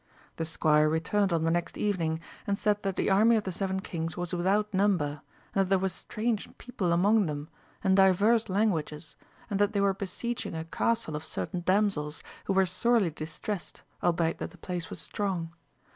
The squire returned on the next evening, and said that the army of the seven kings was without number, and that there were strange people among them, and divers languages, and that they were besieging a castle of certain damsels, who were sorely distressed, albeit that the place was strong.